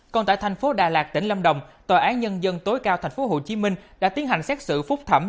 còn tại thành phố đà lạt tỉnh lâm đồng tòa án nhân dân tối cao tp hcm đã tiến hành xét xử phúc thẩm